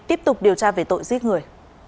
tiếp tục điều tra về tội giết người